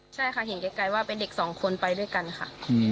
ใช่ค่ะเห็นไกลว่าเป็นเด็กสองคนไปด้วยกันค่ะ